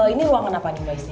ini ruangan apa nih mbak isti